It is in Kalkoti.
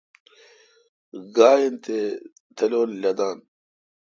گا این تے تلون لدان۔